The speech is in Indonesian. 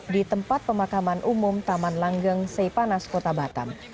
di tempat pemakaman umum taman langgeng seipanas kota batam